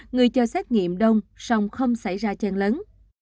người cho xét nghiệm đông xong không xảy ra chen lấn